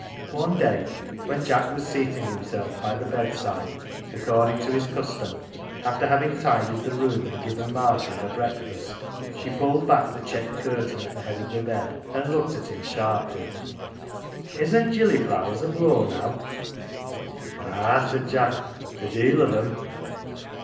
One day, when Jack was seating himself by the bedside according to his custom, after having tidied the room and given Margery her breakfast, she pulled back the checked curtain at the head of the bed, and looked at him sharply. " Isn't gilly fers ablow now ?"" Ah," said Jack, " a deal o' them.